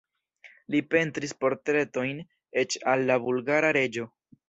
Li pentris portretojn eĉ al la bulgara reĝo.